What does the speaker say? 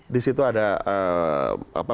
di situ ada